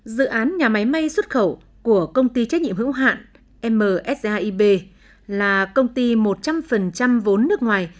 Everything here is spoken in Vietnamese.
dự án nhà máy may xuất khẩu của công ty trách nhiệm hữu hạn msaib là công ty một trăm linh vốn nước ngoài